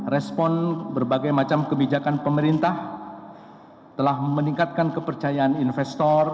respon berbagai macam kebijakan pemerintah telah meningkatkan kepercayaan investor